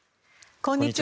こんにちは。